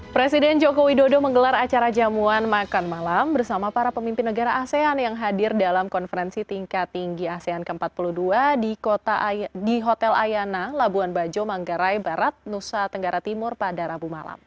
presiden joko widodo menggelar acara jamuan makan malam bersama para pemimpin negara asean yang hadir dalam konferensi tingkat tinggi asean ke empat puluh dua di hotel ayana labuan bajo manggarai barat nusa tenggara timur pada rabu malam